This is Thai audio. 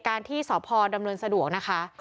การที่สอบพรดำเนินสะดวกนะคะ